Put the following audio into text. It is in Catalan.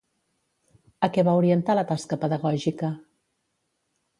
A què va orientar la tasca pedagògica?